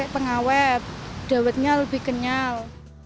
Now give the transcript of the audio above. pengawet dawetnya lebih kenyal